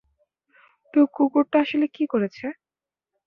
তো কুকুরটা আসলে কি করেছে?